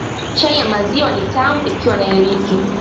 Chai ya maziwa ni tamu ikiwa na iliki